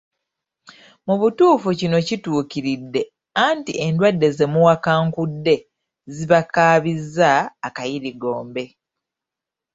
Mu butuufu kino kituukiridde anti endwadde zemuwakankudde zibakaabizza akayirigombe.